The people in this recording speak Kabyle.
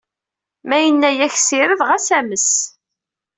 Ma yenna-yak sired, ɣas ames!